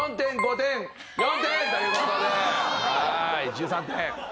１３点。